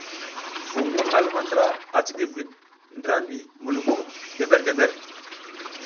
Vuƞ a luma ndra a cikivit ndra mi luɓo dember-dember.